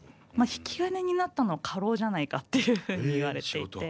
引き金になったのは過労じゃないかっていうふうに言われていて。